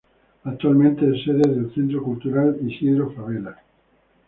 Actualmente es sede del Centro Cultural Isidro Fabela.